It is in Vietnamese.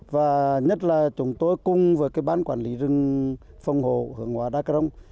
và nhất là chúng tôi cùng với cái bán quản lý rừng phòng hộ hướng hóa đa cà rông